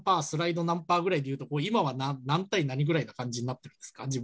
スライド何％ぐらいでいうと今は何対何ぐらいな感じになってるんですか？